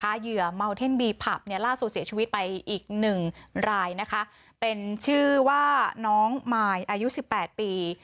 ตาเหยื่อเมาเทศบีผับนี่ล่าสูตรเสียชีวิตไปอีก๑รายนะคะเป็นชื่อว่าน้องมายอายุ๑๘ปี